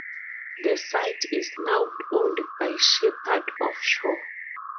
The site is now owned by Shepherd Offshore.